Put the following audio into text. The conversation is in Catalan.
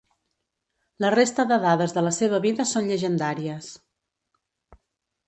La resta de dades de la seva vida són llegendàries.